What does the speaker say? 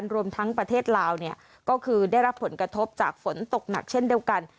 รวมทั้งประเทศลาวก็คือได้รับผลกระทบจากฝนตกหนักเช่นเดียวกัน